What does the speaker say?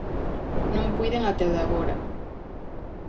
Non puiden até o de agora.